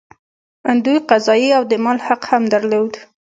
دوی قضايي او د مال حق هم درلود.